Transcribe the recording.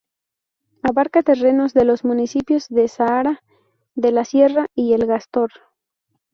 Abarca terrenos de los municipios de Zahara de la Sierra y El Gastor.